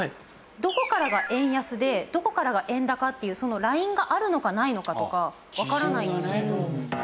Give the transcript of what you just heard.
どこからが円安でどこからが円高っていうそのラインがあるのかないのかとかわからないんですけど。